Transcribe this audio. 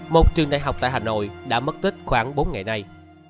một trường đại học tại hà nội đã mất tích khoảng bốn ngày nay